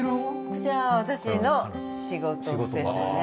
こちらは私の仕事スペースですね。